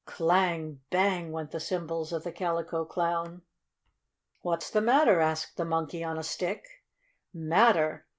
"Clang! Bang!" went the cymbals of the Calico Clown. "What's the matter?" asked the Monkey on a Stick. "Matter?